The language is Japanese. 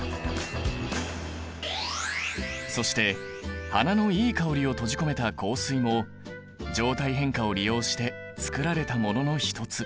そして花のいい香りを閉じ込めた香水も状態変化を利用して作られたものの一つ。